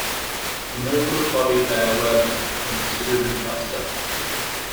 Removal of body hair works considerably faster.